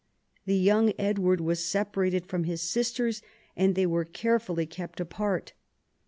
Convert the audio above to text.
The young Edward was separated from his sisters ; and they were carefully kept apart.